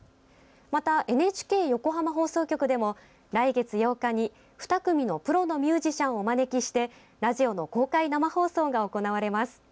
またＮＨＫ横浜放送局でも来月８日に２組のプロのミュージシャンをお招きしてラジオの公開生放送が行われます。